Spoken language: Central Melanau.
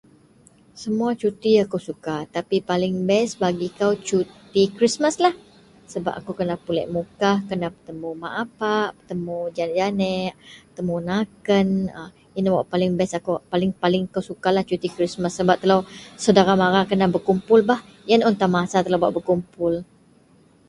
Semua suti akou suka, tapi paling bes bagi ko suti Kristmas lah sebab akou kena pulek mukah kena betemu mak apak betemu janek-janek betemu naken. Yang paling bes paling-paling akou suka suti Kristmas. Paling akou suka. Saudara mara kena bergumpul bah ien un tan masa bak berkumpul.